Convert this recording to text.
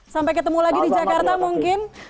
sampai ketemu lagi di jakarta mungkin